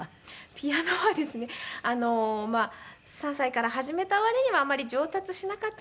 ピアノはですね３歳から始めた割にはあんまり上達しなかった。